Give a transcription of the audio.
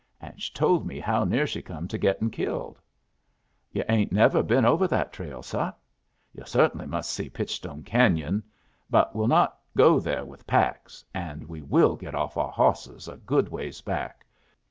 And she told me how near she come to gettin' killed. "Yu' ain't ever been over that trail, seh? Yu' cert'nly must see Pitchstone Canyon. But we'll not go there with packs. And we will get off our hawsses a good ways back.